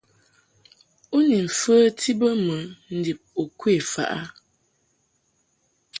U ni mfəti bə mɨ ndib u kwe faʼ a ?